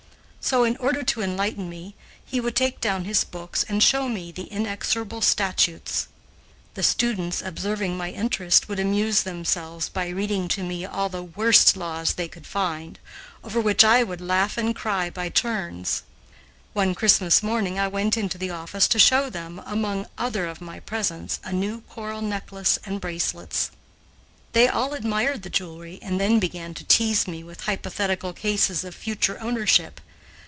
So, in order to enlighten me, he would take down his books and show me the inexorable statutes. The students, observing my interest, would amuse themselves by reading to me all the worst laws they could find, over which I would laugh and cry by turns. One Christmas morning I went into the office to show them, among other of my presents, a new coral necklace and bracelets. They all admired the jewelry and then began to tease me with hypothetical cases of future ownership.